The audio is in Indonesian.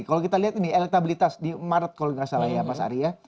kalau kita lihat ini elektabilitas di maret kalau tidak salah ya mas ari ya